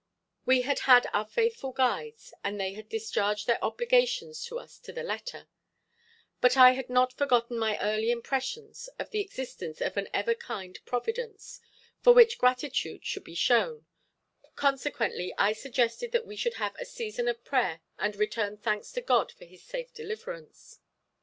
We had had our faithful guides, and they had discharged their obligations to us to the letter; but I had not forgotten my early impressions of the existence of an ever kind Providence, for which gratitude should be shown, consequently I suggested that we should have a season of prayer and return thanks to God for this safe deliverance.